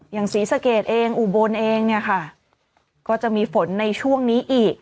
ศรีสะเกดเองอุบลเองเนี่ยค่ะก็จะมีฝนในช่วงนี้อีก